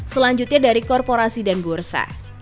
selanjutnya dari korporasi dan bursa